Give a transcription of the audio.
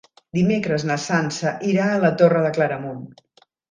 Dimecres na Sança irà a la Torre de Claramunt.